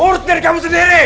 urusin dari kamu sendiri